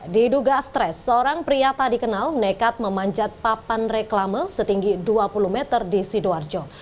diduga stres seorang pria tadi kenal nekat memanjat papan reklame setinggi dua puluh meter di sidoarjo